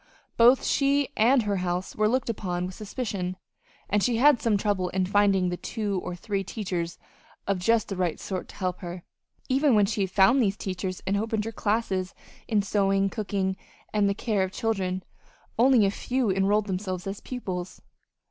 Both she and her house were looked upon with suspicion, and she had some trouble in finding the two or three teachers of just the right sort to help her. Even when she had found these teachers and opened her classes in sewing, cooking, and the care of children, only a few enrolled themselves as pupils.